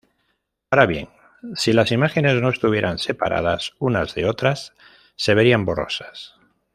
Ahora bien, si las imágenes no estuvieran separadas unas de otras, se verían borrosas.